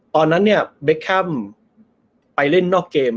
ตอนนั้นเบ็กแคมป์ไปเล่นนอกเกม